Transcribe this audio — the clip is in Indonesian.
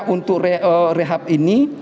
untuk rehab ini